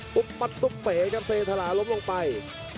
โปรดติดตามต่อไป